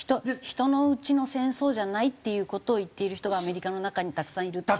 人のうちの戦争じゃないっていう事を言っている人がアメリカの中にたくさんいる。